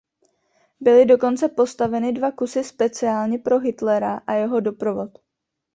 Byly dokonce postaveny dva kusy speciálně pro Hitlera a jeho doprovod.